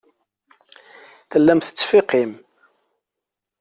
Tellam tettseffiqem.